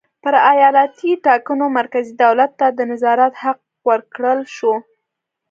پر ایالتي ټاکنو مرکزي دولت ته د نظارت حق ورکړل شو.